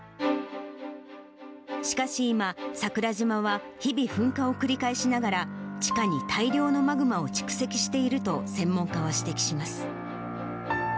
しかし今、桜島は日々、噴火を繰り返しながら、地下に大量のマグマを蓄積していると専門家は指摘します。